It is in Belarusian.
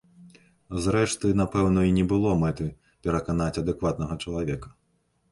Зрэшты, напэўна, і не было мэты пераканаць адэкватнага чалавека.